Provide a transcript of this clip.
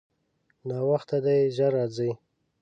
ناوخته دی، ژر راځئ.